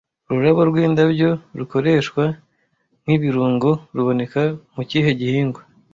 'Ururabo rw'indabyo' rukoreshwa nk'ibirungo ruboneka mu kihe gihingwa